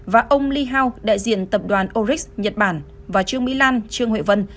và ông lee hao đại diện tập đoàn orix nhật bản và trương mỹ lan trương huệ vân